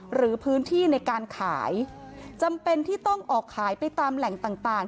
หรือพื้นที่ในการขายจำเป็นที่ต้องออกขายไปตามแหล่งต่างต่าง